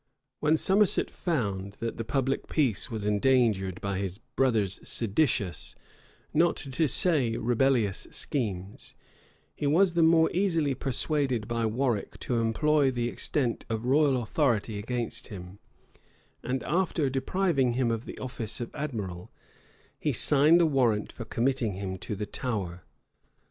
When Somerset found that the public peace was endangered by his brother's seditious, not to say rebellious schemes, he was the more easily persuaded by Warwick to employ the extent of royal authority against him; and after depriving him of the office of admiral, he signed a warrant for committing him to the Tower.